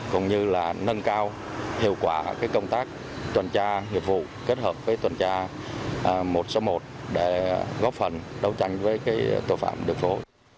cũng như là nâng cao hiệu quả công tác tuần tra nghiệp vụ kết hợp với tuần tra một trăm sáu mươi một để góp phần đấu tranh với tội phạm đường phố